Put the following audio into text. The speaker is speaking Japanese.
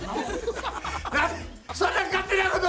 何でそんな勝手なこと！